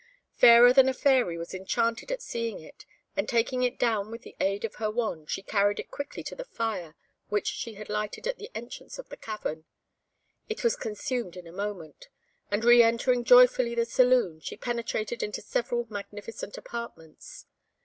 Fairer than a Fairy was enchanted at seeing it, and taking it down with the aid of her wand, she carried it quickly to the fire which she had lighted at the entrance of the cavern. It was consumed in a moment, and re entering joyfully the saloon, she penetrated into several magnificent apartments.